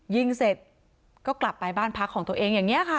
ยิงเสร็จก็กลับไปบ้านพักของตัวเองอย่างนี้ค่ะ